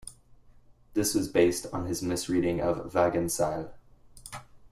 This was based on his misreading of Wagenseil.